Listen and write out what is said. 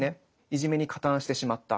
いじめに加担してしまった。